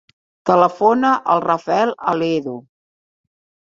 Telefona al Rafael Aledo.